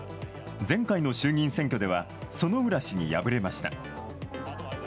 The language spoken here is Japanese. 前回の衆議院選挙では薗浦氏に敗れました。